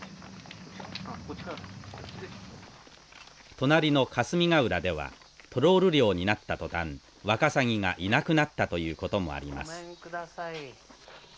隣の霞ヶ浦ではトロール漁になった途端ワカサギがいなくなったということもあります。